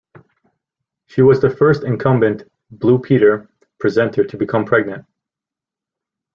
She was the first incumbent "Blue Peter" presenter to become pregnant.